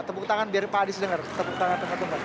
tepuk tangan biar pak andries dengar tepuk tangan